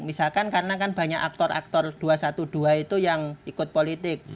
misalkan karena kan banyak aktor aktor dua ratus dua belas itu yang ikut politik